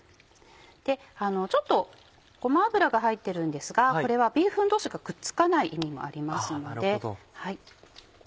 ちょっとごま油が入ってるんですがこれはビーフン同士がくっつかない意味もありますので。